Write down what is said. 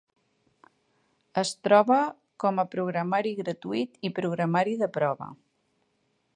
Es troba com a programari gratuït i programari de prova.